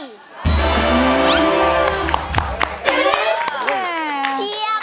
เชียบ